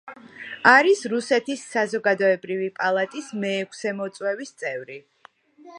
არის რუსეთის საზოგადოებრივი პალატის მეექვსე მოწვევის წევრი.